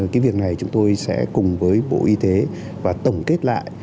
cái việc này chúng tôi sẽ cùng với bộ y tế và tổng kết lại